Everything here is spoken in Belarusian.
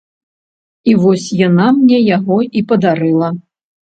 І вось яна мне яго і падарыла.